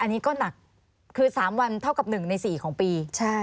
นี้ก็หนัก๓วันเท่ากับ๑ใน๔ปี